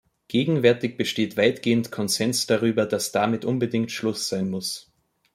Gegenwärtig besteht weitgehend Konsens darüber, dass damit unbedingt Schluss sein muss.